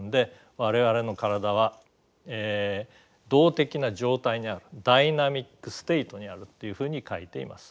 我々の体は動的な状態にあるダイナミックステートにあるっていうふうに書いています。